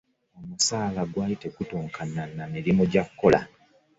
Omusaala gwali tegutuukana na mirimu gy'akola.